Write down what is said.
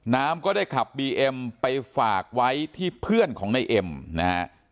น้ำก็ได้ขับบีเอ็มไปฝากไว้ที่เพื่อนของในเอ็มนะฮะ